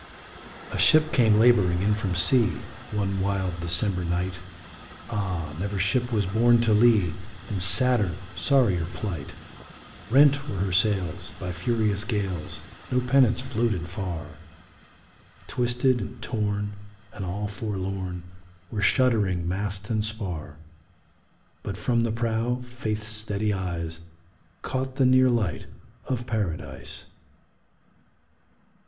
A ship came laboring in from sea, One wild December night ; Ah ! never ship was borne to lee In sadder, sorrier plight ! Rent were her sails By furious gales, No pennants floated far ; Twisted and torn And all forlorn Were shuddering mast and spar ! But from the prow Faith's steady eyes Caught the near light of Paradise